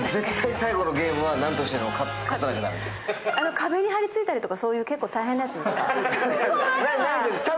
壁に張り付いたりとか結構大変なやつですか？